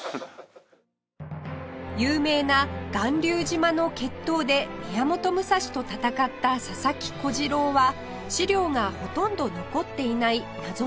有名な巌流島の決闘で宮本武蔵と戦った佐々木小次郎は資料がほとんど残っていない謎の人物でした